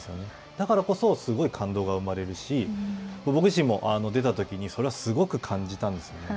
だからこそ、すごい感動が生まれるし、僕自身も出たときに、それはすごく感じたんですよね。